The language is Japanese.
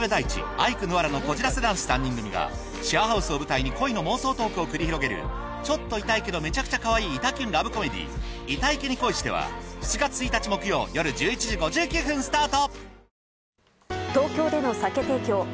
アイクぬわらのこじらせ男子３人組がシェアハウスを舞台に恋の妄想トークを繰り広げるちょっとイタいけどめちゃくちゃカワイイ“イタきゅん”ラブコメディ『イタイケに恋して』は７月１日木曜よる１１時５９分スタート！